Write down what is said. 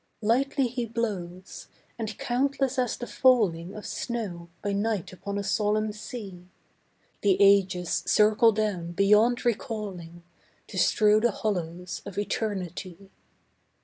Lightly He blows, and countless as the falling Of snow by night upon a solemn sea, The ages circle down beyond recalling, To strew the hollows of Eternity.